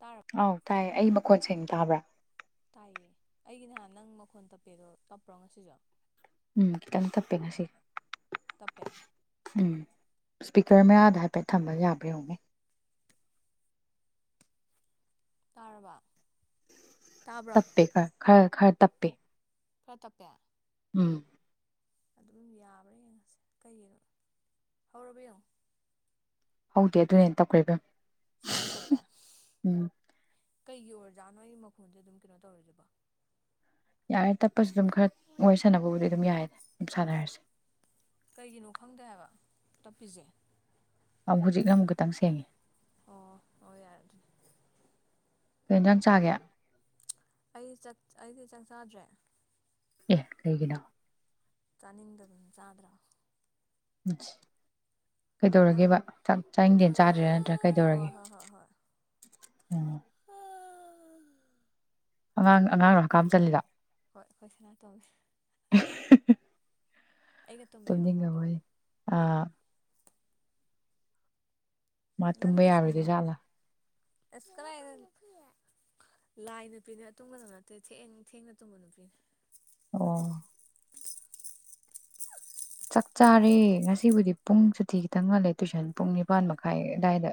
ꯇꯥꯔꯕ ꯍꯥꯎ ꯇꯥꯏꯌꯦ ꯑꯩ ꯈꯣꯟꯁꯦꯡ ꯇꯥꯕ꯭ꯔ ꯇꯥꯏꯌꯦ ꯑꯩꯒꯤ ꯅꯍꯥꯟ ꯅꯪ ꯃꯈꯣꯟ ꯇꯞꯄꯦꯗꯣ ꯇꯞꯄ꯭ꯔꯣ ꯉꯁꯤꯁꯨ ꯎꯝ ꯈꯤꯇꯪ ꯇꯞꯄꯤ ꯉꯁꯤ ꯇꯞꯄꯦ ꯁ꯭ꯄꯤꯀꯔ ꯃꯌꯥꯗ ꯍꯥꯏꯐꯦꯠ ꯊꯝꯕ ꯌꯥꯕ꯭ꯔ ꯌꯦꯡꯉꯨꯅꯦ ꯇꯥꯔꯕ ꯇꯥꯕ꯭ꯔꯣ ꯇꯞꯄꯦ ꯈꯔ ꯈꯔ ꯇꯞꯄꯦ ꯈꯔ ꯇꯞꯄꯦ ꯎꯝ ꯑꯗꯨꯝ ꯌꯥꯕ꯭ꯔ ꯌꯦꯡꯉꯁꯦ ꯀꯩꯒꯤꯅꯣ ꯍꯧꯔꯕ ꯌꯦꯡꯉꯣ ꯍꯧꯗꯦ ꯑꯗꯨꯏꯥꯅ ꯍꯦꯟꯅ ꯇꯞꯈ꯭ꯔꯦ ꯏꯕꯦꯝ ꯁꯤꯅ ꯍꯦꯟ ꯇꯞꯄꯦ ꯎꯝ ꯀꯩꯒꯤ ꯑꯣꯏꯔꯖꯥꯠꯅꯣ ꯑꯩꯒꯤ ꯃꯈꯣꯟꯁꯦ ꯑꯗꯨꯝ ꯀꯩꯅꯣ ꯇꯧꯔꯤꯁꯤꯕꯣ ꯌꯥꯔꯦ ꯇꯞꯄꯁꯨ ꯑꯗꯨꯝ ꯈꯔ ꯋꯥꯔꯤ ꯁꯥꯟꯅꯕꯕꯨꯗꯤ ꯑꯗꯨꯝ ꯌꯥꯏꯌꯦꯗ ꯑꯗꯨꯝ ꯁꯥꯟꯅꯔꯁꯦ ꯀꯩꯒꯤꯅꯣ ꯈꯪꯗꯦ ꯍꯥꯏꯕ ꯇꯞꯄꯤꯁꯦ ꯑꯝ ꯍꯧꯖꯤꯛꯅ ꯑꯃꯨꯛ ꯈꯤꯇꯪ ꯁꯦꯡꯉꯦ ꯑꯣ ꯑꯣ ꯌꯥꯔꯦ ꯑꯗꯨꯗꯤ ꯀꯩ ꯍꯤꯟꯖꯥꯡ ꯆꯥꯒꯦ ꯑꯩ ꯆꯠ ꯑꯩꯁꯦ ꯆꯥꯛ ꯆꯥꯗ꯭ꯔꯦ ꯑꯦ ꯀꯩꯒꯤꯅꯣ ꯆꯥꯅꯤꯡꯗꯗꯅ ꯆꯥꯗ꯭ꯔꯕ ꯏꯁ ꯅꯪ ꯀꯩꯗꯧꯔꯒꯦꯕ ꯆꯥꯛ ꯆꯥꯅꯤꯡꯗꯦꯅ ꯆꯥꯗꯔ꯭ꯤꯔꯥ ꯅꯠꯇ꯭ꯔ ꯍꯣꯏ ꯀꯩꯗꯧꯔꯒꯦ ꯍꯣꯏ ꯍꯣꯏ ꯍꯣꯏ ꯍꯣꯏ ꯎꯝ ꯑꯉꯥꯡ ꯑꯉꯥꯡ ꯔꯣ ꯍꯀꯥꯞꯥꯝ ꯆꯜꯂꯤꯗꯣ ꯍꯣꯏ ꯑꯩꯈꯣꯏ ꯁꯅꯥꯇꯣꯜ ꯅꯦ ꯍꯥ ꯍꯥ ꯍꯥ ꯇꯨꯝꯅꯤꯡꯉꯝ ꯃꯅꯤ ꯥ ꯑꯥ ꯃꯥ ꯅꯪ ꯇꯨꯝꯕ ꯇꯨꯏꯁꯟ ꯌꯥꯔꯣꯏꯗꯣꯏꯖꯥꯠꯂꯥ ꯑꯁ ꯀꯗꯥꯥꯏꯗꯩꯩ ꯂꯥꯏ ꯅꯨꯄꯤꯅꯦ ꯇꯨꯝꯒꯗꯕ ꯅꯠꯇꯦ ꯊꯦꯡ ꯊꯦꯡꯅ ꯇꯨꯝꯕ ꯅꯨꯄꯤꯅꯦ ꯑꯣ ꯆꯥꯛ ꯆꯥꯔꯦ ꯉꯁꯤꯕꯨꯗꯤ ꯄꯨꯡ ꯆꯨꯊꯤ ꯈꯤꯇꯪ ꯉꯜꯂꯦ ꯇꯨꯏꯁꯟ ꯄꯨꯡ ꯅꯤꯄꯥꯜ ꯃꯈꯥꯏ ꯑꯗꯨꯋꯥꯏꯗ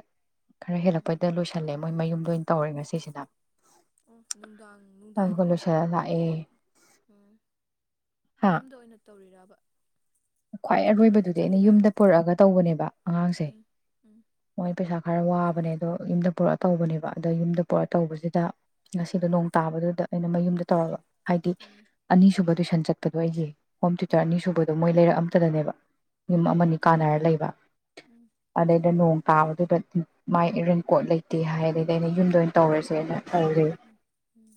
ꯈꯔ ꯍꯦꯜꯂꯛꯄꯩꯗ ꯎꯝ ꯂꯣꯏꯁꯤꯜꯂꯦ ꯃꯣꯏ ꯃꯌꯨꯝ ꯗ ꯑꯣꯏꯟ ꯇꯧꯔꯦ ꯉꯁꯤꯁꯤꯅ ꯑꯣ ꯅꯨꯡꯗꯥꯡ ꯅꯨꯡꯗꯥꯡ ꯑꯗꯨꯒ ꯂꯣꯏꯁꯤꯜꯂ ꯂꯥꯛꯑꯦ ꯎꯝ ꯍꯥ ꯌꯨꯝꯗ ꯑꯣꯏꯅ ꯇꯧꯔꯤꯔ [unintelligible] ꯈ꯭ꯋꯥꯏ ꯑꯔꯣꯏꯕꯗꯨꯗꯤ ꯑꯩꯅ ꯌꯨꯝꯗ ꯄꯨꯔꯛꯑꯒ ꯇꯧꯕꯅꯦꯕ ꯑꯉꯥꯡꯁꯦ ꯎꯝ ꯎꯝ ꯃꯣꯏ ꯄꯩꯁꯥ ꯈ ꯈꯔ ꯋꯥꯕꯅꯦ ꯑꯗꯣ ꯌꯨꯝꯗ ꯄꯨꯔꯛꯑ ꯇꯧꯕꯅꯦꯕ ꯑꯗꯣ ꯌꯨꯝꯗ ꯄꯨꯔꯛꯑ ꯇꯧꯕꯁꯤꯗ ꯉꯁꯤꯗꯣ ꯅꯣꯡ ꯇꯥꯕꯗꯨꯗ ꯑꯩꯅ ꯃꯌꯨꯝꯗ ꯇꯧꯔꯕ ꯍꯥꯏꯗꯤ ꯎꯝ ꯑꯅꯤꯁꯨꯕ ꯇꯨꯏꯁꯟ ꯆꯠꯗ ꯑꯩꯒꯤ ꯍꯣꯝ ꯊꯤꯨꯇꯔ ꯎꯝ ꯑꯅꯤꯁꯨꯨꯕꯗꯣ ꯃꯣꯏ ꯂꯩꯔꯛ ꯑꯝꯇꯗꯅꯦꯕ ꯌꯨꯝ ꯎꯝ ꯑꯃꯅꯤ ꯀꯥꯟꯅꯔ ꯂꯩꯕ ꯎꯝ ꯑꯗꯩꯗ ꯅꯣꯡ ꯇꯥꯕꯗꯨꯗ ꯃꯥꯏ ꯔꯦꯟꯀꯣꯗ ꯂꯩꯇꯦ ꯍꯥꯏ ꯗꯩꯗꯤ ꯑꯩꯅ ꯌꯨꯝꯗ ꯑꯣꯏꯅ ꯇꯧꯔꯁꯦꯅ ꯇꯧꯔꯦ ꯎꯝ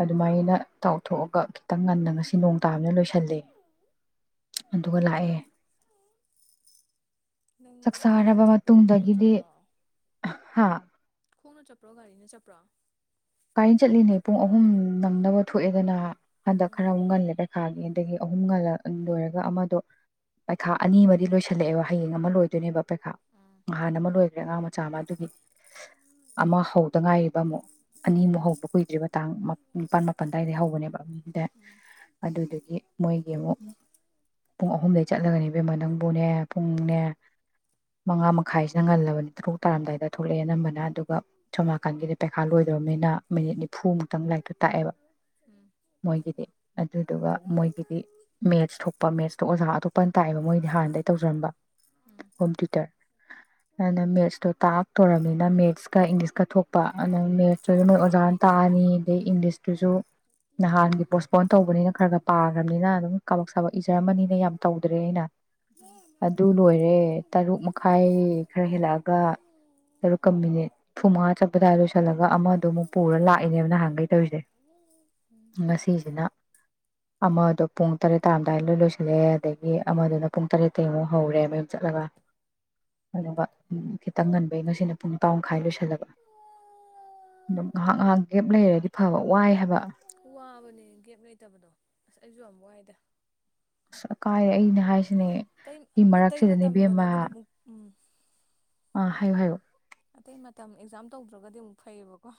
ꯑꯗꯨꯃꯥꯏꯅ ꯇꯎꯊꯣꯛꯑꯒ ꯈꯤꯇꯪ ꯉꯟꯅ ꯉꯁꯤ ꯅꯣꯡ ꯇꯥꯕꯅ ꯂꯣꯏꯁꯤꯜꯂꯦ ꯑꯗꯨꯒ ꯂꯥꯛꯑꯦ ꯅꯪ ꯒꯥꯔꯤꯗ ꯆꯥꯛꯆꯥꯔꯕ ꯆꯠꯄ꯭ꯔꯣ ꯈꯣꯡꯅ ꯃꯇꯨꯡꯗꯒꯤꯗꯤ ꯆꯠꯄ꯭ꯔꯣ ꯑ ꯍꯥ ꯈꯣꯡꯅ ꯆꯠꯄ꯭ꯔꯣ ꯒꯥꯔꯤꯅ ꯆꯠꯄ꯭ꯔꯣ ꯒꯥꯔꯤꯅ ꯆꯠꯂꯤꯅꯦ ꯄꯨꯡ ꯑꯍꯨꯝ ꯅꯪꯅꯕ ꯊꯣꯛꯑꯦꯗꯅ [unintelligible] ꯑꯗꯣ ꯈꯔ ꯎꯝ ꯑꯃꯨꯛ ꯉꯜꯂꯦ ꯄꯩꯈꯥꯒꯤꯂ ꯑꯗꯒꯤ ꯑꯍꯨꯝ ꯉꯂꯛ ꯂꯣꯏꯔꯒ ꯑꯃꯗꯣ ꯄꯩꯈꯥ ꯑꯅꯤ ꯑꯃꯗꯤ ꯂꯣꯏꯁꯤꯜꯂꯛꯑꯦꯕ ꯍꯌꯦꯡ ꯑꯃ ꯂꯣꯏꯗꯣꯏꯅꯦꯕ ꯄꯩꯈꯥ ꯎꯝ ꯉꯍꯥꯟ ꯑꯃ ꯂꯣꯏꯈ꯭ꯔꯦ ꯑꯉꯥꯡ ꯃꯆꯥ ꯑꯃ ꯑꯗꯨꯒꯤ ꯑꯃ ꯍꯧꯗ ꯉꯥꯏꯔꯤꯕ ꯑꯃꯨꯛ ꯑꯅꯤꯃꯨꯛ ꯎꯝ ꯍꯧꯕ ꯀꯨꯏꯗ꯭ꯔꯤꯕ ꯇꯥꯡ ꯃ ꯅꯤꯄꯥꯜ ꯃꯥꯄꯜ ꯑꯗꯥꯏꯗꯩ ꯍꯧꯕꯅꯦꯕ ꯗꯦ ꯎꯝ ꯑꯗꯨꯗꯒꯤ ꯃꯣꯏꯒꯤ ꯑꯃꯨꯛ ꯄꯨꯡ ꯑꯍꯨꯝꯗꯩ ꯆꯠꯂꯒꯅꯦ ꯏꯕꯦꯝꯃ ꯅꯪꯕꯨꯅꯦ ꯄꯨꯡꯅꯦ ꯃꯉꯥ ꯃꯈꯥꯏꯁꯤꯅ ꯉꯜꯂꯕꯅꯤ ꯇꯔꯨꯛ ꯇꯥꯔꯝꯗꯥꯏꯗ ꯊꯣꯛꯂꯛꯑꯦ ꯑꯅꯝꯕꯅ ꯑꯗꯨꯒ ꯁꯣꯝ ꯅꯥꯀꯟꯒꯤꯗꯤ ꯄꯩꯈꯥ ꯂꯣꯏ ꯃꯦꯅ ꯃꯤꯅꯤꯠ ꯅꯤꯐꯨ ꯃꯨꯛꯇꯪ ꯂꯥꯏꯔꯤꯛꯇꯣ ꯇꯥꯛꯑꯦꯕ ꯎꯝ ꯎꯝ ꯃꯣꯏꯒꯤꯗꯤ ꯑꯗꯨꯗꯨꯒ ꯃꯣꯏꯒꯤꯗꯤ ꯃꯦꯠꯁ ꯊꯣꯛꯄ ꯃꯦꯠꯁꯇ [unintelligible] ꯇꯥꯏꯑꯦꯕ ꯃꯣꯏꯗꯤ ꯍꯥꯟꯅꯗꯩ ꯇꯧꯖꯔꯝꯕ ꯍꯣꯝ ꯇ꯭ꯌꯨꯇꯔ ꯑꯗꯨꯅ ꯃꯦꯠꯁꯇꯣ ꯇꯥꯛꯇꯣꯔꯝꯅꯤꯅ ꯃꯦꯠꯁꯀ ꯏꯪꯂꯤꯁꯀ ꯊꯣꯛꯄ ꯑꯗꯅ ꯃꯦꯠꯁ ꯑꯗꯨ ꯅꯣꯏ ꯑꯣꯖꯥꯅ ꯇꯥꯛꯑꯅꯤ ꯑꯗꯩ ꯏꯪꯂꯤꯁꯇꯨꯁꯨ ꯅꯍꯥꯟꯒꯤ ꯄꯣꯁꯄꯣꯟ ꯇꯧꯕꯅꯤꯅ ꯈꯔ ꯈꯔ ꯄꯥꯒ꯭ꯔꯝꯅꯤꯅ ꯑꯗꯨꯝ ꯀꯥꯕꯛ ꯁꯥꯕꯛ ꯏꯖꯔꯝꯃꯅꯤꯅ ꯌꯥꯝ ꯇꯧꯗ꯭ꯔꯦ ꯑꯩꯅ ꯑꯗꯨ ꯂꯣꯏꯔꯦ ꯇꯔꯨꯛ ꯃꯈꯥꯏ ꯈꯔ ꯍꯦꯜꯂꯛꯑꯒ ꯇꯔꯨꯛꯀ ꯃꯤꯅꯤꯠ [unintelligible] ꯆꯠꯄꯗꯥꯏ ꯂꯣꯏꯁꯜꯂꯒ ꯑꯃ ꯑꯃꯨꯛ ꯄꯨꯔ ꯂꯥꯛꯏꯅꯦꯕ ꯅꯍꯥꯟꯒꯩ ꯇꯧꯔꯤꯁꯦ ꯎꯝ ꯉꯁꯤꯖꯤꯅ ꯑꯃꯗꯣ ꯄꯨꯡ ꯇꯔꯦꯠ ꯇꯥꯔꯝꯗꯥꯏꯗ ꯂꯣꯏ ꯂꯣꯏꯁꯤꯜꯂꯑꯦ ꯑꯗꯒꯤ ꯑꯃꯗꯨꯅ ꯄꯨꯡ ꯇꯔꯦꯠꯇꯩ ꯑꯃꯨꯛ ꯍꯧꯔꯦ ꯃꯌꯨꯝ ꯆꯠꯂꯒ ꯑꯗꯨꯒ ꯈꯤꯇꯪ ꯉꯟꯕꯩ ꯉꯁꯤꯅ ꯄꯨꯡ ꯇꯄꯥꯎꯃꯥꯈꯥꯏ ꯂꯣꯏꯁꯜꯂꯕ ꯑꯗꯨꯝ ꯉꯥꯍꯥꯛ ꯉꯥꯍꯥꯛ ꯒꯦꯞ ꯂꯩꯔꯗꯤ ꯐꯕ ꯋꯥꯏ ꯍꯥꯏꯕ ꯋꯥꯕꯅꯦ ꯒꯦꯞ ꯂꯩꯇꯕꯗꯣ ꯑꯁ ꯑꯩꯁꯨ ꯑꯃꯨ ꯋꯥꯏꯗ ꯑꯁ ꯑꯀꯥꯏꯔꯦ ꯑꯩꯅ ꯍꯥꯏꯁꯦ ꯑꯇꯩ ꯑꯇꯩ ꯃꯇꯝꯗꯅꯕꯨꯗꯤ ꯑꯃꯨꯛ ꯎꯝ ꯑꯥ ꯍꯥꯏꯌꯣ ꯍꯥꯏꯌꯣ ꯑꯇꯩ ꯃꯇꯝ ꯑꯦꯛꯖꯥꯝ ꯇꯧꯗ꯭ꯔꯒꯗꯤ ꯑꯃꯨꯛ ꯐꯩꯌꯦꯕꯀꯣ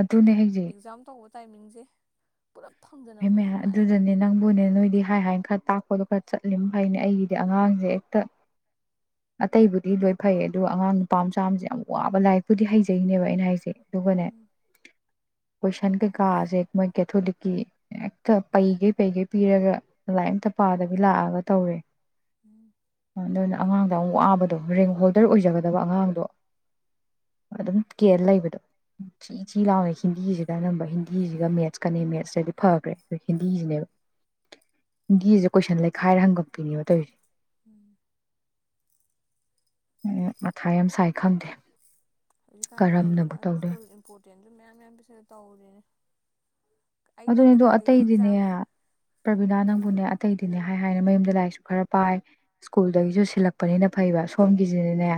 ꯑꯗꯨꯅꯦ ꯍꯥꯏꯖꯦ ꯑꯦꯛꯖꯥꯝ ꯇꯧꯕ ꯇꯥꯏꯃꯤꯡꯁꯦ ꯄꯨꯂꯞ ꯐꯪꯗꯅꯕꯗꯤ ꯕꯦꯃꯦ ꯌꯥꯝ ꯋꯥꯏꯑꯦꯕ ꯑꯗꯨꯗꯅꯦ ꯅꯪꯕꯨꯅꯦ ꯅꯣꯏꯗꯤ ꯍꯥꯏ ꯍꯥꯏ ꯈ ꯇꯥꯛꯄꯗꯣ ꯈꯔ ꯆꯠꯂꯤꯝ ꯐꯩꯅꯦ ꯑꯩꯒꯤꯗꯤ ꯑꯉꯥꯡꯁꯦ ꯍꯦꯛꯇ ꯑꯇꯩꯕꯨꯗꯤ ꯂꯣꯏ ꯐꯩ ꯑꯗꯨꯒ ꯑꯉꯥꯡ ꯅꯨꯄꯥ ꯃꯆꯥ ꯑꯃꯁꯦ ꯌꯥꯝ ꯋꯥꯕ ꯂꯥꯏꯔꯤꯛꯄꯨꯗꯤ ꯍꯩꯖꯩꯅꯦꯕ ꯑꯩꯅ ꯍꯥꯏꯁꯦ ꯑꯗꯨꯒꯅꯦ ꯎꯝ ꯀꯣꯏꯁꯟ ꯀꯩꯀꯥꯥꯁꯦ ꯃꯣꯏ ꯀꯦꯊꯣꯂꯤꯛꯀꯤ ꯍꯦꯛꯇ ꯄꯩꯒꯩ ꯄꯩꯒꯩ ꯄꯤꯔꯒ ꯂꯥꯏ ꯑꯝꯇ ꯄꯥꯗꯕꯤ ꯂꯥꯛꯑꯒ ꯇꯧꯔꯦ ꯎꯝ ꯑꯗꯨꯅ ꯑꯉꯥꯡ ꯌꯥꯝ ꯋꯥꯕꯗꯣ ꯔꯤꯡ ꯍꯣꯜꯗꯔ ꯑꯣꯏꯖꯒꯗꯕ ꯑꯉꯥꯡꯗꯣ ꯑꯗꯨꯝ ꯀꯦꯜ ꯂꯩꯕꯗꯣ ꯆꯤ ꯎꯝ ꯆꯤ ꯂꯥꯎꯋꯦ ꯍꯤꯟꯗꯤꯖꯦ ꯑꯅꯝꯕ ꯍꯤꯟꯗꯤꯁꯤꯒ ꯃꯦꯠꯁꯀꯅꯦ ꯃꯦꯠꯁꯇꯗꯤ ꯐꯈ꯭ꯔꯦ ꯑ ꯍꯤꯟꯗꯤꯁꯤꯅꯦꯕ ꯍꯤꯟꯗꯤꯁꯦ ꯀꯣꯏꯁꯟ ꯂꯩꯈꯥꯏꯔ ꯍꯪꯒꯠꯄꯤꯅꯦꯕ ꯇꯣꯏꯁꯦ ꯎꯝ ꯎꯝ ꯃꯊꯥ ꯌꯥꯝ ꯁꯥꯏ ꯈꯪꯗꯦ ꯍꯧꯖꯤꯛꯀꯥꯟ ꯀꯔꯝꯅꯕꯨ ꯍꯧꯖꯤꯛꯀꯥꯟ ꯇꯧꯗꯣꯏ ꯁ꯭ꯀꯨꯜ ꯏꯝꯄꯣꯔꯇꯦꯟꯁꯨ ꯃꯌꯥꯝ ꯃꯌꯥꯝ ꯄꯤꯁꯜꯂꯛ ꯇꯧꯔꯦꯅꯦ ꯑꯗꯨꯅꯦꯗꯣ ꯑꯇꯩꯗꯤꯅꯦ ꯄ꯭ꯔꯕꯤꯅꯥ ꯅꯪꯕꯨꯅꯦ ꯑꯇꯩꯗꯤꯅꯦ ꯍꯥꯏ ꯍꯥꯏꯅ ꯃꯌꯨꯝꯗ ꯂꯥꯏꯔꯤꯛꯁꯨ ꯈꯔ ꯄꯥꯏ ꯁ꯭ꯀꯨꯜꯗꯒꯤꯁꯨ ꯁꯤꯜꯂꯛꯄꯅꯤꯅ ꯐꯩꯕ ꯁꯣꯝꯒꯤꯁꯤꯅꯅꯦ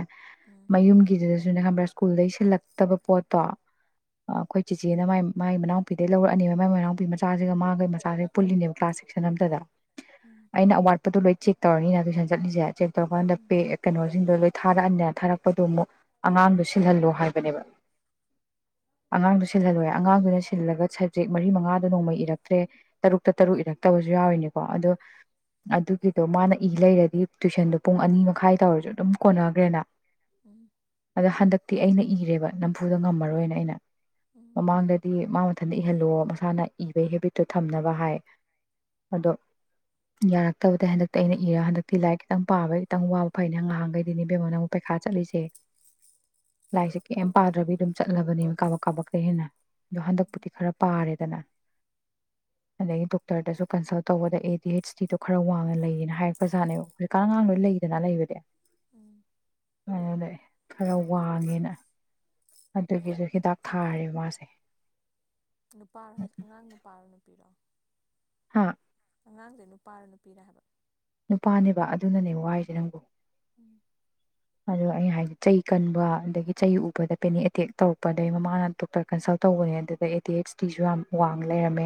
ꯎꯝ ꯃꯌꯨꯝꯒꯤꯗꯁꯨ ꯅꯦ ꯈꯪꯕ꯭ꯔꯥ ꯁ꯭ꯀꯨꯜꯗꯩ ꯁꯤꯜꯂꯛꯇꯕ ꯄꯣꯠꯇꯣ ꯑꯩꯈꯣꯏ ꯆꯤꯆꯦꯅ ꯃꯥꯒꯤ ꯃꯅꯥꯎꯄꯤꯗꯩ ꯂꯧꯔꯛꯑꯅꯤꯕ ꯃꯥꯏ ꯃꯅꯥꯎꯄꯤ ꯃꯆꯥꯁꯤꯒ ꯃꯥꯒꯤ ꯃꯆꯥꯁꯤꯒ ꯄꯨꯜꯂꯤꯅꯦꯕ ꯀ꯭ꯂꯥꯁ ꯁꯤꯛꯁꯟ ꯑꯝꯇꯗ ꯎꯝ ꯑꯩꯅ ꯑꯋꯥꯠꯄꯗꯨ ꯂꯣꯏ ꯆꯦꯛ ꯇꯧꯔꯅꯤꯅ ꯇꯨꯏꯁꯟ ꯆꯠꯂꯤꯁꯦ ꯆꯦꯛ ꯇꯧꯔꯀꯥꯟꯗ ꯎꯝ ꯄꯦꯛ ꯀꯩꯅꯣꯁꯤꯡꯗꯣ ꯂꯣꯏ ꯊꯥꯔꯛꯑꯅꯤꯅ ꯊꯥꯔꯛꯄꯗꯣ ꯑꯃꯨꯛ ꯑꯉꯥꯡꯗꯣ ꯁꯤꯜꯍꯜꯂꯣ ꯍꯥꯏꯕꯅꯦꯕ ꯑꯉꯥꯡꯗꯣ ꯁꯤꯜꯍꯜꯂꯣ ꯑꯉꯥꯡꯗꯨꯅ ꯁꯤꯜꯂꯒ ꯁ ꯃꯔꯤ ꯃꯉꯥꯗꯣ ꯅꯣꯡꯃꯩ ꯏꯔꯛꯇ꯭ꯔꯦ ꯇꯔꯨꯛꯇ ꯇꯔꯨꯛ ꯏꯔꯛꯇꯕꯁꯨ ꯌꯥꯎꯔꯤꯅꯤꯀꯣ ꯑꯗꯣ ꯑꯗꯨꯒꯤꯗꯣ ꯃꯥꯅ ꯏ ꯂꯩꯔꯗꯤ ꯇꯨꯏꯁꯟꯗꯣ ꯄꯨꯡ ꯑꯅꯤ ꯃꯈꯥꯏ ꯇꯧꯔꯁꯨ ꯑꯗꯨꯝ ꯀꯣꯟꯅꯈꯒ꯭ꯔꯦꯅ ꯎꯝ ꯑꯗ ꯍꯟꯗꯛ ꯇꯤ ꯑꯩꯅ ꯏꯔꯦꯕ ꯅꯝꯐꯨꯗ ꯉꯝꯃꯔꯣꯏꯅ ꯑꯩꯅ ꯎꯝ ꯃꯃꯥꯡꯗꯗꯤ ꯃꯥ ꯃꯊꯟꯗ ꯏ ꯏꯍꯜꯂꯣ ꯃꯁꯥꯅ ꯏꯕꯩ ꯍꯦꯕꯤꯠꯇꯨ ꯊꯝꯅꯕ ꯍꯥꯏ ꯑꯗꯣ ꯌꯥꯔꯛꯇꯕꯗ ꯍꯟꯗꯛꯇꯤ ꯑꯩꯅ ꯏꯔꯒ ꯍꯟꯗꯛꯇꯤ ꯂꯥꯏꯔꯤꯛ ꯈꯤꯇꯪ ꯄꯥꯕꯩ ꯈꯤꯇꯪ ꯋꯥꯕ ꯐꯩꯅꯦ ꯉꯍꯥꯟꯈꯩꯗꯤꯅꯦ ꯏꯕꯦꯝꯃ ꯅꯪꯕꯨ ꯄꯩꯈꯥ ꯆꯠꯂꯤꯁꯦ ꯂꯥꯏꯔꯤꯛꯁꯦ ꯀꯩꯝ ꯄꯥꯗ꯭ꯔꯕꯤ ꯑꯗꯨꯝ ꯆꯠꯂꯕꯅꯦꯕ ꯀꯥꯕꯛ ꯀꯥꯕꯛꯇꯩ ꯍꯦꯟꯅ ꯑꯗꯣ ꯍꯟꯗꯛ ꯇꯤ ꯈꯔ ꯄꯥꯔꯦꯗꯅ ꯑꯗꯩꯒꯤ ꯗꯣꯛꯇꯔꯗꯁꯨ ꯀꯟꯁꯜ ꯇꯧꯕꯗ ꯑꯦ ꯗꯤ ꯍꯩꯆ ꯗꯤ ꯗꯣ ꯈꯔ ꯋꯥꯡꯅ ꯂꯩꯌꯦꯅ ꯍꯥꯏꯔꯛꯄꯖꯥꯠꯅꯦꯕ ꯍꯧꯖꯤꯛ ꯀꯥꯟ ꯑꯉꯥꯡ ꯂꯣꯏ ꯎꯝ ꯂꯩꯗꯅ ꯂꯩꯕꯗꯤ ꯎꯝ ꯎꯝ ꯂꯩꯌꯦ ꯈꯔ ꯋꯥꯡꯉꯦꯅ ꯑꯗꯨꯒꯤꯁꯨ ꯍꯤꯗꯥꯛ ꯊꯥꯔꯦ ꯃꯥꯁꯦ ꯅꯨꯄꯥꯔꯣ ꯍꯥꯏꯁꯦ ꯑꯉꯥꯡ ꯅꯨꯄꯥꯔꯣ ꯅꯨꯄꯤꯔꯣ ꯍꯥꯥ ꯑꯉꯥꯡꯁꯦ ꯅꯨꯄꯥꯔ ꯅꯨꯄꯤꯔ ꯍꯥꯏꯕ ꯅꯨꯄꯥꯅꯦꯕ ꯑꯗꯨꯅꯅꯦ ꯎꯝ ꯋꯥꯔꯤꯁꯦ ꯅꯪꯕꯣ ꯎꯝ ꯑꯗꯣ ꯑꯩꯩꯅ ꯍꯥꯏꯗꯤ ꯆꯩ ꯀꯟꯕ ꯑꯗꯒꯤ ꯆꯩ ꯎꯕꯗ ꯄꯦꯅꯤꯛ ꯑꯦꯇꯦꯛ ꯇꯧꯔꯛꯄꯗꯩꯩ ꯃꯃꯥꯅ ꯗꯣꯛꯇꯔ ꯀꯟꯁꯜ ꯇꯧꯕꯅꯦ ꯑꯗꯨꯗ ꯑꯦꯗꯤ ꯑꯩꯆ ꯗꯤꯁꯨ ꯌꯥꯝ ꯋꯥꯡ ꯂꯩꯔꯝꯃꯦ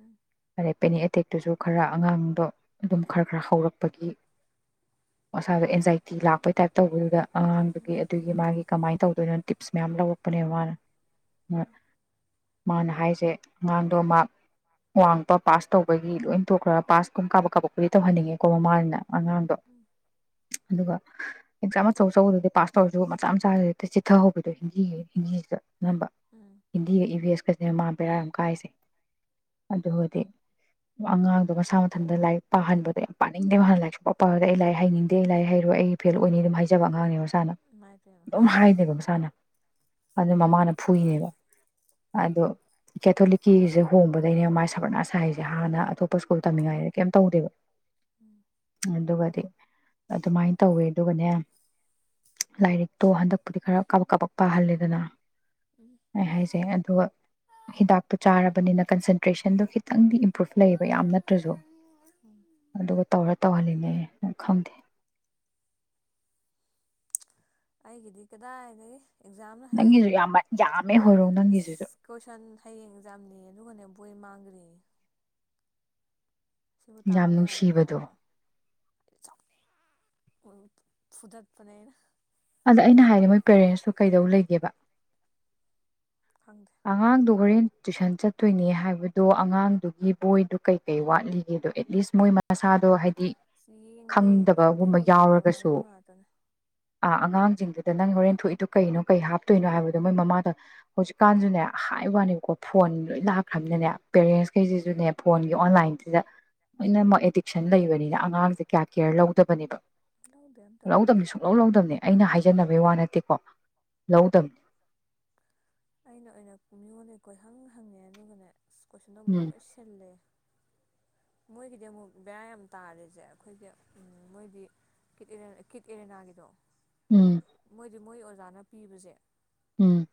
ꯎꯝ ꯑꯗꯩꯩ ꯄꯦꯅꯤꯛ ꯑꯦꯇꯦꯛ ꯇꯨꯁꯨ ꯈꯔ ꯑꯉꯥꯡꯗꯣ ꯑꯗꯨꯝ ꯈꯔ ꯈꯔ ꯍꯧꯔꯛꯄꯒꯤ ꯃꯁꯥꯗ ꯑꯦꯟꯖꯥꯏꯇꯤ ꯂꯥꯛꯄꯩ ꯇꯥꯏꯞ ꯇꯧꯕꯗꯨꯗ ꯑꯉꯥꯡꯗꯨꯒꯤ ꯎꯝ ꯑꯗꯨꯒꯤ ꯃꯥꯒꯤ ꯀꯃꯥꯏꯅ ꯇꯧꯗꯣꯏꯅꯣ ꯇꯤꯞꯁ ꯃꯌꯥꯝ ꯂꯧꯔꯛꯄꯅꯦꯕ ꯃꯥꯅ ꯃꯥꯅ ꯍꯥꯏꯁꯦ ꯑꯉꯥꯡꯗꯣ ꯃꯥꯛ ꯋꯥꯡꯕ ꯄꯥꯁ ꯇꯧꯕꯒꯤ ꯂꯣꯏ ꯇꯣꯛꯈ꯭ꯔꯒ ꯄꯥꯁ ꯀꯨꯝ ꯀꯥꯞꯄꯛ ꯀꯥꯞꯄꯨꯗꯤ ꯇꯧꯍꯟꯅꯤꯡꯉꯦꯀꯣ ꯃꯃꯥꯅꯤꯅ ꯎꯝ ꯑꯉꯥꯡꯗꯣ ꯎꯝ ꯑꯗꯨꯒ ꯑꯦꯛꯖꯥꯝ ꯑꯆꯧ ꯑꯆꯧꯕꯗꯗꯤ ꯄꯥꯁ ꯇꯧꯔꯁꯨ ꯃꯆꯥ ꯃꯆꯥꯁꯤꯗ ꯍꯦꯛꯇ ꯆꯤꯊꯍꯧꯕꯗꯣ ꯍꯤꯟꯗꯤꯒꯤ ꯍꯤꯟꯗꯤꯁꯤꯗ ꯑꯅꯝꯕ ꯎꯝ ꯍꯤꯟꯗꯤꯒ ꯏ ꯚꯤ ꯑꯦꯁꯀ ꯃꯥ ꯕꯦꯔꯥ ꯌꯥꯝ ꯀꯥꯏꯁꯦ ꯑꯗꯨꯕꯨꯗꯤ ꯑꯉꯥꯡꯗꯣ ꯃꯁꯥ ꯃꯊꯟꯇ ꯂꯥꯏꯔꯤꯛ ꯄꯥꯍꯟꯕꯗꯣ ꯌꯥꯝ ꯄꯥꯅꯤꯡꯗꯦꯕ ꯍꯥꯟꯅ ꯂꯥꯏꯔꯤꯛ ꯁꯨꯄꯥ ꯄꯥꯎ ꯌꯥꯗꯦ ꯑꯩ ꯂꯥꯏꯔꯤꯛ ꯍꯩꯅꯤꯡꯗꯦ ꯑꯩ ꯂꯥꯏꯔꯤꯛ ꯍꯩꯔꯣꯏ ꯑꯩ ꯐꯦꯜ ꯑꯣꯏꯅꯤ ꯑꯗꯨꯝ ꯍꯥꯏꯖꯕ ꯑꯉꯥꯡꯅꯦ ꯃꯁꯥꯅ ꯏꯃꯥꯏꯄꯦꯝꯃ ꯑꯗꯨꯝ ꯍꯥꯏꯗꯩꯕ ꯃꯁꯥꯅ ꯑꯗꯨ ꯃꯃꯥꯅ ꯐꯨꯏꯅꯦꯕ ꯃꯥꯗꯣ ꯀꯦꯊꯣꯂꯤꯛꯀꯤꯁꯦ ꯍꯣꯡꯕꯗꯩꯩꯅꯦꯕ ꯃꯥ ꯁꯔꯕꯅꯥꯁ ꯁꯥꯏꯁꯦ ꯍꯥꯟꯅ ꯑꯇꯣꯞꯄ ꯁ꯭ꯀꯨꯜ ꯇꯝꯃꯤꯉꯥꯏꯗ ꯀꯩꯝ ꯇꯧꯗꯦꯕ ꯎꯝ ꯑꯗꯨꯒꯗꯤ ꯑꯗꯨꯃꯥꯏꯅ ꯇꯧꯋꯦ ꯑꯗꯨꯒꯅꯦ ꯂꯥꯏꯔꯤꯛꯇꯣ ꯍꯟꯗꯛꯄꯨꯗꯤ ꯈꯔ ꯀꯥꯕꯛ ꯀꯥꯕꯛ ꯄꯥꯍꯜꯂꯦꯗꯅ ꯎꯝ ꯑꯩ ꯍꯥꯏꯖꯦ ꯑꯗꯨꯒ ꯍꯤꯗꯥꯛꯇꯣ ꯆꯥꯔꯕꯅꯤꯅ ꯀꯟꯁꯦꯟꯇ꯭ꯔꯦꯁꯟꯗꯣ ꯈꯤꯇꯪꯗꯤ [unintelligible] ꯂꯩꯌꯦꯕ ꯌꯥꯝ ꯅꯠꯇ꯭ꯔꯁꯨ ꯎꯝ ꯑꯗꯨꯒ ꯇꯧꯔ ꯇꯧꯍꯜꯂꯤꯅꯦ ꯈꯪꯗꯦ ꯑꯩꯒꯤꯗꯤ ꯀꯗꯥꯏꯗꯒꯤ ꯑꯦꯛꯖꯥꯝꯅ ꯍꯌꯦꯡ ꯅꯪꯒꯤꯁꯨ ꯌꯥꯝ ꯌꯥꯝꯃꯦ ꯍꯣꯏꯔꯣꯡ ꯅꯪꯒꯤꯁꯤꯁꯨ ꯏꯁ ꯀꯣꯏꯁꯟ ꯍꯌꯦꯡ ꯑꯦꯛꯖꯥꯝꯅꯦꯌꯦ ꯑꯗꯨꯒꯅꯦ ꯕꯣꯏ ꯃꯥꯡꯒ꯭ꯔꯦꯌꯦ ꯁꯤꯕꯨ ꯌꯥꯝ ꯇꯥꯕ ꯌꯥꯔꯤꯕ ꯅꯨꯡꯁꯤꯕꯗꯣ ꯋꯥꯔꯕ ꯁꯥꯎꯅꯤꯡꯕ ꯐꯨꯗꯠꯄꯅꯦ ꯑꯩꯅ ꯑꯗ ꯑꯩꯅ ꯍꯥꯏꯔꯦ ꯃꯣꯏ ꯄꯦꯔꯦꯟꯁꯇꯣ ꯀꯩꯗꯧ ꯂꯩꯒꯦꯕ ꯈꯪꯗꯦ ꯑꯉꯥꯡꯗꯣ ꯍꯣꯔꯦꯟ ꯇꯨꯏꯁꯟ ꯆꯠꯇꯣꯏꯅꯦ ꯍꯥꯏꯕꯗꯣ ꯑꯉꯥꯡꯗꯨꯒꯤ ꯕꯣꯏꯗꯨ ꯀꯩꯀꯩ ꯋꯥꯠꯂꯤꯒꯦꯗꯣ ꯑꯦꯠꯂꯤꯁ ꯃꯣꯏ ꯃꯁꯥꯗꯣ ꯍꯥꯏꯗꯤ ꯗꯤ ꯌꯦꯡꯗꯦ ꯌꯦꯡꯗꯦ ꯑꯝꯇ ꯈꯪꯗꯕꯒꯨꯝꯕ ꯌꯦꯡꯗꯕ ꯌꯥꯎꯔꯒꯁꯨ ꯀꯥꯡꯕꯨ ꯉꯥꯛꯇꯅꯦ ꯑꯥ ꯑꯉꯥꯡ ꯁꯤꯡꯗꯨꯗ ꯅꯪ ꯍꯣꯔꯦꯟ ꯊꯣꯛꯏꯗꯨꯣ ꯀꯩꯅꯣ ꯀꯩ ꯍꯥꯞꯇꯣꯏꯅꯣ ꯍꯥꯏꯕꯗꯣ ꯃꯣꯏ ꯃꯃꯥꯗ ꯍꯧꯖꯤꯛ ꯀꯥꯟꯁꯨꯅꯦ ꯍꯥꯏ ꯋꯥꯅꯦꯀꯣ ꯐꯣꯟ ꯂꯣꯏ ꯂꯥꯛꯈ꯭ꯔꯕꯅꯤꯅꯅꯦ ꯄꯦꯔꯦꯟꯁ ꯎꯝ ꯈꯩꯁꯤꯁꯨꯅꯦ ꯐꯣꯟ ꯑꯣꯟꯂꯥꯏꯟꯁꯤꯗ ꯂꯣꯏꯅꯃꯛ ꯑꯦꯗꯤꯛꯁꯟ ꯂꯩꯕꯅꯤꯅ ꯑꯉꯥꯡꯁꯦ ꯀꯌꯥ ꯀꯦꯌꯔ ꯂꯧꯗꯕꯅꯦꯕ ꯂꯧꯗꯦ ꯑꯝꯇ ꯂꯧꯗꯦ ꯂꯧꯗꯝꯅꯤ ꯁꯨꯡꯛꯂꯧ ꯂꯧꯗꯝꯅꯤ ꯑꯩꯅ ꯍꯥꯏꯖꯤꯟ ꯖꯟꯅꯕꯩ ꯋꯥ ꯅꯠꯇꯦꯀꯣ ꯂꯧꯗꯝꯅꯤ ꯑꯩꯅ ꯑꯣꯏꯅ ꯃꯤꯉꯣꯟꯗꯩ ꯀꯣꯏ ꯍꯪ ꯍꯪꯉꯦ ꯑꯗꯨꯒꯅꯦ ꯀꯣꯢꯁꯟ ꯑꯃꯨꯛ ꯎꯝ ꯂꯣꯏ ꯁꯤꯜꯂꯦ ꯃꯣꯏꯒꯤꯗꯤ ꯑꯃꯨꯛ ꯕꯦꯔ ꯌꯥꯝ ꯇꯥꯔꯤꯁꯦ ꯑꯩꯈꯣꯏꯒꯤ ꯃꯣꯏꯗꯤ ꯀꯤꯠ ꯑꯦꯔꯦꯅꯥꯒꯤꯗꯣ ꯎꯝ ꯃꯣꯏꯗꯤ ꯃꯣꯏ ꯑꯣꯖꯥꯅ ꯄꯤꯕꯁꯦ ꯎꯝ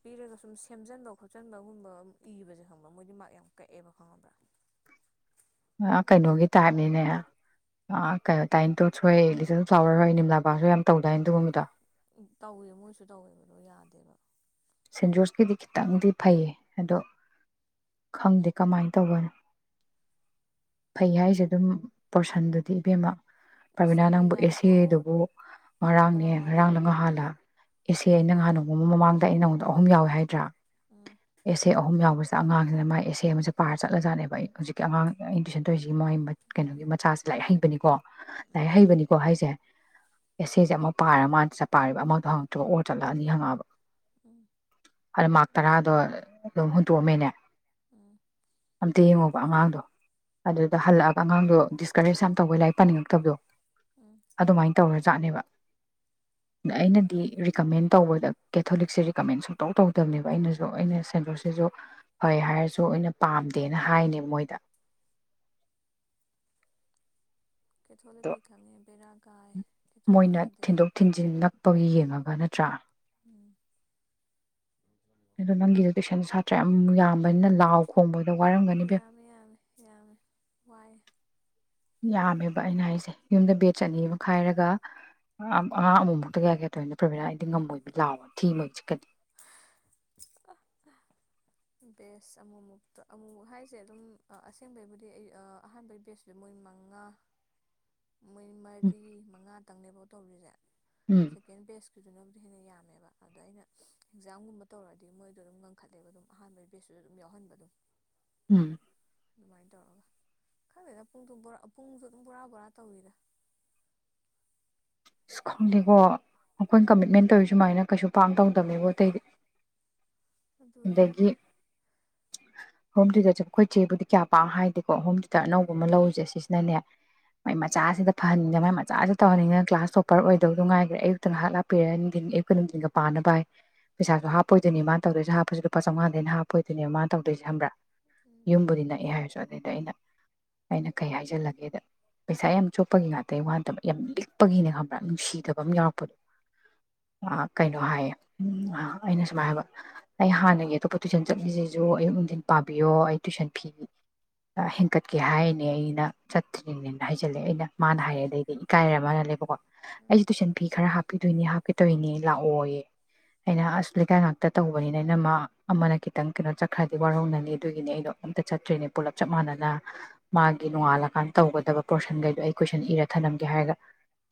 ꯄꯤꯔꯒ ꯁꯨꯝ ꯁꯦꯝꯖꯟꯕ ꯈꯣꯠꯆꯟꯕꯒꯨꯝꯕ ꯑꯗꯨꯝ ꯏꯕꯁꯦ ꯈꯪꯕ꯭ꯔ ꯃꯣꯏꯗꯤ ꯃꯥꯔ꯭ꯛ ꯌꯥꯝ ꯀꯛꯑꯦꯕ ꯈꯪꯉꯕ꯭ꯔꯥ ꯃꯥ ꯀꯩꯅꯣꯒꯤ ꯇꯥꯏꯞꯅꯤꯅꯦ ꯀꯩꯅꯣ ꯇꯥꯏ ꯅꯤ ꯇꯣꯠꯁ ꯈꯣꯢ ꯂꯤꯇꯜ ꯐ꯭ꯂꯋꯥꯔ ꯍꯣꯢ ꯅꯤꯔꯃꯂꯥꯕꯥꯁ ꯍꯣꯢ ꯌꯥꯝ ꯇꯧꯗꯥꯏꯅ ꯑꯗꯨꯒꯨꯝꯕꯗꯣ ꯇꯧꯋꯦ ꯃꯣꯏꯁꯨ ꯇꯧꯋꯦꯕꯗꯣ ꯌꯥꯗꯦꯕ ꯁꯦꯟꯖꯣꯔꯁꯀꯤꯗꯤ ꯈꯤꯇꯪꯗꯤ ꯐꯩꯌꯦ ꯑꯗꯣ ꯈꯪꯗꯦ ꯀꯃꯥꯏꯅ ꯇꯧꯕꯅꯣ ꯐꯩ ꯍꯥꯏꯁꯦ ꯑꯗꯨꯝ ꯄꯣꯔꯁꯟꯗꯨꯗꯤ ꯏꯕꯦꯝꯃ ꯏꯁ ꯄ꯭ꯔꯕꯤꯅꯥ ꯏꯕꯦꯝ ꯅꯪꯕꯨ ꯑꯦ ꯁꯦ ꯌꯥꯔꯦꯀꯣ ꯗꯨꯕꯨ ꯉꯔꯥꯡꯅꯦ ꯕꯔꯥꯋꯥꯂꯥꯅꯦ ꯉꯔꯥꯡꯂ ꯉꯍꯥꯟꯂ ꯑꯦꯁꯦ ꯑꯩ ꯅꯍꯥꯟ ꯅꯣꯡꯃ ꯃꯃꯥꯡꯗ ꯑꯩ ꯅꯉꯣꯟꯗ ꯑꯍꯨꯝ ꯌꯥꯎꯑꯦ ꯍꯥꯏꯗ꯭ꯔꯥ ꯎꯝ ꯑꯦꯁꯦ ꯑꯍꯨꯝ ꯌꯥꯎꯕꯁꯤ ꯁꯤ ꯑꯉꯥꯡꯁꯤꯅ ꯃꯥꯥꯏ ꯑꯦꯁꯦ ꯑꯃꯁꯦ ꯄꯥꯔ ꯆꯠꯂꯖꯥꯠꯅꯦꯕ ꯑꯩ ꯍꯧꯖꯤꯛꯀꯤ ꯑꯉꯥꯡ ꯑꯩꯅ ꯇꯨꯏꯁꯟ ꯇꯧꯔꯤꯁꯤꯒꯤ ꯃꯣꯢ ꯀꯩꯅꯣꯒꯤ ꯃꯆꯥꯁꯦ ꯂꯥꯏꯔꯤꯛ ꯍꯩꯕꯅꯤꯀꯣ ꯎꯝ ꯂꯥꯏꯔꯤꯛ ꯍꯩꯕꯅꯤꯀꯣ ꯍꯥꯏꯁꯦ ꯑꯦꯁꯦꯁꯦ ꯑꯃ ꯄꯥꯔ ꯃꯥ ꯆꯠꯄꯥꯔꯤꯕ ꯑꯃꯗꯣ ꯍꯪꯉꯛꯇ꯭ꯔꯣ ꯑꯣꯔ ꯆꯠꯂꯛꯑꯒ ꯑꯅꯤ ꯍꯪꯉꯛꯑꯕ ꯎꯝ ꯑꯥꯏ ꯃꯥ ꯇꯔꯥꯗꯣ ꯑꯗꯨꯝ ꯍꯨꯟꯇꯣꯛꯑꯝꯃꯦꯅꯦ ꯎꯝ ꯑꯝꯇ ꯌꯦꯡꯉꯣ ꯑꯉꯥꯡꯗꯣ ꯑꯗꯨꯗ ꯍꯜꯂꯛꯑꯒ ꯑꯉꯥꯡꯗꯣ ꯗꯤꯁꯀꯔꯦꯖ ꯌꯥꯝ ꯇꯧꯕꯩ ꯂꯥꯏꯔꯤꯛ ꯄꯥꯅꯤꯡꯉꯛꯇꯕꯗꯣ ꯎꯝ ꯑꯗꯨꯃꯥꯏꯅ ꯇꯧꯔ ꯆꯥꯠꯅꯦꯕ ꯑ ꯑꯩꯅꯗꯤ ꯔꯤꯀꯃꯦꯟ ꯇꯧꯕꯗꯤ ꯀꯦꯊꯣꯂꯤꯛꯁꯦ ꯔꯤꯀꯃꯦꯟ ꯁꯨꯡꯇꯧ ꯇꯧꯗꯕꯅꯦꯕ ꯑꯩꯅꯁꯨ ꯑꯩꯅ ꯁꯦꯟ ꯖꯣꯔꯁꯤꯁꯨ ꯐꯩ ꯍꯥꯏꯔꯁꯨ ꯑꯩꯅ ꯄꯥꯝꯗꯦꯅ ꯍꯥꯏꯅꯦꯕ ꯃꯣꯏꯗ ꯑꯗꯣ ꯀꯦꯊꯣꯛꯣꯂꯤꯛꯀꯤ ꯈꯪꯉꯦ ꯕꯦꯔꯥꯅꯦ ꯃꯣꯏꯅ ꯊꯤꯟꯗꯣꯛ ꯊꯤꯟꯖꯤꯟ ꯅꯛꯄꯒꯤ ꯌꯦꯡꯉꯒ ꯅꯠꯇ꯭ꯔꯥ ꯎꯝ ꯑꯗꯣ ꯅꯪꯒꯤꯗ ꯇꯨꯏꯁꯟ ꯁꯥꯇ꯭ꯔ ꯌꯥꯝ ꯌꯥꯝꯕꯅꯤꯅ ꯂꯥꯎ ꯈꯣꯡꯕꯒꯤ ꯌꯥꯝꯃꯤ ꯌꯥꯝꯃꯤ ꯌꯥꯝꯃꯤ ꯋꯥꯏ ꯌꯥꯝꯃꯦꯕ ꯑꯩꯅ ꯍꯥꯏꯁꯦ ꯌꯨꯝꯗ ꯕꯦꯠꯆ ꯑꯅꯤ ꯑꯃ ꯈꯥꯏꯔꯒ ꯑꯉꯥꯡ ꯑꯃꯃꯨꯛꯇ ꯀꯌꯥ ꯀꯌꯥ ꯇꯧꯏꯅꯣ ꯄ꯭ꯔꯦꯃꯤꯂꯥ ꯑꯩꯗꯤ ꯉꯝꯃꯣꯏꯕ ꯂꯥꯎꯕ ꯊꯤ ꯃꯣꯏ ꯆꯤꯠꯀꯅꯤ ꯕꯦꯁ ꯑꯃꯨꯃꯨꯛꯇ ꯑꯃꯨꯃꯨꯛ ꯍꯥꯏꯁꯦ ꯑꯗꯨꯝ ꯑꯁꯦꯡꯕꯩꯕꯨꯗꯤ ꯑꯍꯥꯟꯕꯒꯤ ꯕꯦꯁꯇꯨꯗꯤ ꯃꯣꯏ ꯃꯉꯥ ꯃꯣꯏ ꯎꯝ ꯃꯔꯤ ꯃꯉꯥ ꯇꯪꯅꯦꯕꯣ ꯇꯧꯔꯤꯁꯦ ꯎꯝ ꯁꯦꯀꯦꯟ ꯕꯦꯖ ꯑꯗꯨꯨꯗꯨꯅꯕꯨꯗꯤ ꯍꯦꯟꯅ ꯌꯥꯝꯃꯦꯕ ꯑꯗ ꯑꯩꯅ ꯑꯦꯛꯖꯥꯝꯒꯨꯝꯕ ꯇꯧꯔꯗꯤ ꯃꯣꯏꯗꯣ ꯑꯗꯨꯝ ꯉꯟꯈꯠꯂꯦꯕ ꯑꯗꯨꯝ ꯑꯍꯥꯟꯕꯒꯤ ꯕꯦꯁꯇꯨꯗ ꯑꯗꯨꯝ ꯌꯥꯎꯍꯟꯕ ꯑꯗꯨꯝ ꯎꯝ ꯑꯗꯨꯃꯥꯏꯅ ꯇꯧꯔꯒ ꯈꯪꯗꯦꯗ ꯄꯨꯡ ꯄꯨꯡꯁꯨ ꯑꯗꯨꯝ ꯕꯣꯔꯥ ꯕꯣꯔꯥ ꯇꯧꯋꯤꯗ ꯑꯁ ꯈꯪꯗꯦꯀꯣ ꯑꯩꯈꯣꯏꯅ ꯀꯃꯤꯠꯃꯦꯟ ꯇꯧꯔꯤ ꯁꯨꯃꯥꯏꯅ ꯀꯩꯁꯨ ꯄꯥꯛ ꯇꯧꯗꯕꯅꯦꯕ ꯑꯇꯩꯗꯤ ꯑꯗꯨꯅꯦ ꯗꯒꯤ ꯍꯣꯝ ꯇꯩꯏꯇꯔ ꯆꯠ ꯑꯩꯈꯣꯏ ꯆꯦꯕꯨꯗꯤ ꯀꯌꯥ ꯄꯥꯛ ꯍꯥꯏꯗꯦꯀꯣ ꯍꯣꯝ ꯁꯤꯗ ꯑꯅꯧꯕ ꯎꯝ ꯑꯃ ꯂꯧꯔꯤꯁꯦ ꯁꯤꯁꯤꯅꯅꯦ ꯃꯥꯏ ꯎꯝ ꯃꯆꯥꯁꯤꯗ ꯐꯍꯟꯅꯤꯡꯗꯅ ꯃꯥꯏ ꯃꯆꯥꯥꯁꯤ ꯇꯧꯍꯟꯅꯤꯡꯗꯅ ꯀ꯭ꯂꯥꯁ ꯇꯣꯄꯔ ꯑꯣꯏꯗꯧꯗꯨ ꯉꯥꯏꯈ꯭ꯔꯦ ꯑꯌꯨꯛꯇ ꯉꯍꯥꯛ ꯂꯥꯛꯄꯤꯔ ꯅꯨꯡꯊꯤꯟꯒ ꯑꯌꯨꯛꯀ ꯅꯨꯡꯊꯤꯟꯒ ꯄꯥꯅꯕ ꯍꯥꯏ ꯄꯩꯁꯥꯁꯨ ꯍꯥꯞꯄꯣꯏꯗꯣꯏꯅꯤ ꯃꯥ ꯇꯧꯗꯣꯏꯁꯦ ꯍꯥꯞꯄ ꯂꯨꯄꯥ ꯆꯃꯉꯥꯗꯩ ꯍꯧꯟꯅ ꯍꯥꯄꯣꯏꯗꯣꯏꯅꯦ ꯃꯥꯅ ꯇꯧꯗꯣꯏꯁꯦ ꯈꯪꯕ꯭ꯔꯥ ꯎꯝ ꯌꯨꯝꯕꯨꯗꯤ ꯅꯛꯏ ꯍꯥꯏꯔꯁꯨ ꯑꯗꯨꯗ ꯑꯩꯅ ꯑꯩꯅ ꯀꯩ ꯍꯥꯏꯖꯜꯂꯒꯦꯗ ꯄꯩꯁꯥ ꯌꯥꯝ ꯆꯣꯞꯄꯒꯤ ꯉꯥꯇꯒꯤ ꯋꯥꯅꯠꯇꯕ ꯌꯥꯝ ꯂꯤꯛꯄꯒꯤꯅꯦ ꯈꯪꯕ꯭ꯔꯥ ꯅꯨꯡꯁꯤꯗꯕ ꯑꯃ ꯌꯥꯎꯔꯛꯄꯗꯣ ꯀꯩꯅꯣ ꯍꯥꯏꯌꯦ ꯑꯩꯅ ꯁꯨꯝꯃꯥꯏ ꯍꯥꯏꯕ ꯑꯩ ꯍꯥꯟꯅꯒꯤ ꯑꯇꯣꯞꯄ ꯇꯨꯏꯁꯟ ꯆꯠꯂꯤꯁꯤꯁꯨ ꯑꯌꯨꯛ ꯅꯨꯡꯊꯤꯟ ꯄꯥꯕꯤꯌꯣ ꯑꯩ ꯇꯨꯏꯁꯟ ꯐꯤ ꯍꯦꯟꯀꯠꯀꯦ ꯍꯥꯏꯅꯦ ꯑꯩꯅ ꯆꯠꯇ꯭ꯔꯤꯅꯦꯅ ꯍꯥꯏꯖ ꯂꯦ ꯑꯩꯅ ꯃꯥꯅ ꯏꯁ ꯍꯥꯏꯔꯛꯦ ꯑꯗꯩꯗꯤ ꯏꯀꯥꯏꯔ ꯃꯥꯂꯦꯕꯀꯣ ꯑꯩꯁꯦ ꯇꯨꯏꯁꯟ ꯐꯤ ꯈꯔ ꯍꯥꯞꯄꯤꯗꯣꯏꯅꯤ ꯀꯩꯇꯧꯔꯤꯅꯦ ꯂꯥꯛꯑꯣꯌꯦ ꯑꯩꯅ ꯑꯁ ꯂꯩꯀꯥꯏ ꯉꯥꯛꯇ ꯇꯧ ꯇꯧꯕꯅꯤꯅ ꯏꯅꯝꯃ ꯑꯃꯅ ꯈꯤꯇꯪ ꯀꯩꯅꯣ ꯆꯠꯈ꯭ꯔꯗꯤ ꯋꯥꯔꯧꯅꯅꯤ ꯑꯗꯨꯒꯤꯅꯤ ꯑꯩꯗꯣ ꯑꯝꯇ ꯆꯠꯇ꯭ꯔꯤꯅꯦ ꯄꯨꯂꯞ ꯆꯞ ꯃꯥꯟꯅꯅ ꯃꯥꯒꯤ ꯅꯣꯡꯉꯥꯜꯂꯀꯥꯟꯗ ꯇꯧꯒꯗꯕ ꯄꯣꯔꯁꯟꯈꯩꯗꯣ ꯑꯩ ꯀꯣꯏꯁꯟ ꯏꯔ ꯊꯅꯝꯒꯦ ꯍꯥꯏꯔꯒ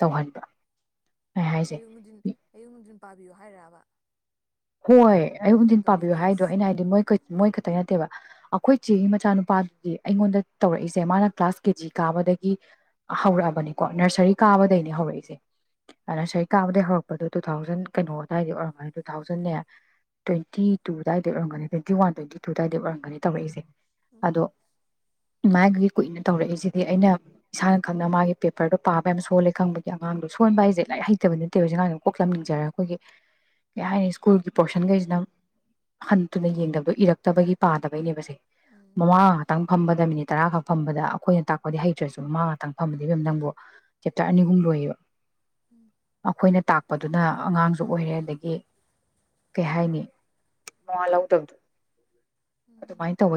ꯇꯧꯍꯟꯕ ꯑꯩ ꯍꯥꯏꯁꯦ ꯑꯌꯨꯛ ꯅꯨꯡꯊꯤꯟ ꯑꯌꯨꯛ ꯅꯨꯡꯊꯤꯟ ꯄꯥꯕꯤꯌꯨ ꯍꯥꯏꯔꯥꯕ ꯍꯣꯏ ꯑꯌꯨꯛ ꯅꯨꯡꯊꯤꯜ ꯄꯥꯕꯤꯌꯨ ꯍꯥꯏꯗꯣ ꯏꯁ ꯑꯩꯅ ꯍꯥꯏꯗꯤ ꯃꯣꯏꯈꯥ ꯃꯣꯢ ꯇꯩ ꯅꯠꯇꯦꯕ ꯑꯩꯈꯣꯏ ꯆꯦꯒꯤ ꯃꯆꯥꯅꯨꯄꯥꯗꯨꯗꯤ ꯑꯩꯉꯣꯟꯗ ꯇꯧꯔꯛꯏꯁꯦ ꯃꯥꯅ ꯀ꯭ꯂꯥꯁ ꯀꯦꯖꯤ ꯀꯥꯕꯗꯒꯤ ꯍꯧꯔꯛ ꯑꯕꯅꯦꯕ ꯀꯣ ꯅꯁꯥꯔꯤ ꯀꯥꯕꯗꯩꯅꯦ ꯍꯧꯔꯛꯏꯁꯦ ꯑ ꯅꯁꯥꯔꯤ ꯀꯥꯕꯗꯩ ꯍꯧꯔꯛꯄ ꯗꯨ ꯇꯨ ꯊꯥꯎꯖꯦꯟ ꯀꯩꯅꯣ ꯑꯗꯥꯏꯗꯩ ꯑꯣꯏ ꯒꯅꯤ ꯇꯨ ꯊꯥꯎꯖꯟ ꯇꯨꯅꯦ ꯇ꯭ꯋꯦꯟꯇꯤ ꯇꯨ ꯑꯗꯨꯗꯥꯏꯗ ꯑꯣꯏꯔꯝꯒꯅꯤ ꯇ꯭ꯋꯦꯟꯇꯤ ꯋꯥꯟ ꯇ꯭ꯋꯦꯟꯇꯤ ꯇꯨ ꯑꯗꯨꯋꯥꯏꯗ ꯑꯣꯏꯔꯝꯒꯅꯤ ꯇꯧꯔꯛꯏꯁꯦ ꯎꯝ ꯑꯗꯣ ꯃꯥꯒꯤ ꯀꯨꯏꯅ ꯇꯧꯔꯛꯏꯁꯤꯗꯤ ꯑꯩꯅ ꯏꯁꯥꯅ ꯈꯪꯅ ꯃꯥꯒꯤ ꯄꯦꯄ꯭ꯔꯗꯣ ꯄꯥꯕ ꯌꯝ ꯁꯣꯟꯂꯦ ꯈꯪꯕꯒꯤ ꯑꯉꯥꯡꯗꯣ ꯁꯣꯟꯕ ꯍꯥꯢꯖꯦ ꯂꯥꯢꯔꯤꯛ ꯍꯩꯇꯥꯕꯗꯤ ꯅꯠꯇꯦ ꯍꯧꯖꯤꯛ ꯑꯉꯥꯡꯖꯦ ꯃꯀꯣꯛ ꯁꯨ ꯂꯝ ꯂꯤꯡꯖꯔ ꯑꯩꯈꯣꯢꯒꯤ ꯀꯩꯍꯥꯏꯅꯤ ꯁ꯭ꯀꯨꯜꯒꯤ ꯄꯣꯔꯁꯟꯈꯩꯁꯤꯅ ꯍꯟꯇꯨꯅ ꯌꯦꯡꯗꯕ ꯏꯔꯛꯇꯕꯒꯤ ꯄꯥꯗꯕꯩꯅꯦꯕꯁꯦ ꯎꯝ ꯃꯃꯥ ꯈꯇꯪ ꯐꯝꯕꯗ ꯃꯤꯅꯤꯠ ꯇꯔꯥꯈꯛ ꯐꯝꯕꯗ ꯑꯩꯈꯣꯏꯅ ꯇꯥꯛꯄꯗꯤ ꯍꯩꯇ꯭ꯔꯁꯨ ꯃꯃꯥ ꯉꯥꯛꯇꯪ ꯐꯝꯕꯗꯤ ꯏꯕꯦꯝ ꯅꯪꯕꯨ ꯆꯦꯞꯇꯔ ꯑꯅꯤ ꯑꯍꯨꯝ ꯂꯣꯏꯌꯦꯕ ꯎꯝ ꯑꯩꯈꯣꯏꯅ ꯇꯥꯛ ꯑꯗꯨꯅ ꯑꯉꯥꯡꯁꯨ ꯑꯣꯏꯔꯦ ꯑꯗꯥꯒꯤ ꯀꯩ ꯍꯥꯏꯥꯅꯤ ꯃꯋꯥ ꯂꯧꯗꯕꯗꯣ ꯑꯗꯨ ꯎꯝ ꯃꯥꯢ ꯇꯧꯕꯩ